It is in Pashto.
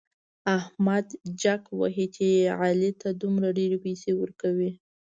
احمد جک وهي چې علي ته دومره ډېرې پيسې ورکوي.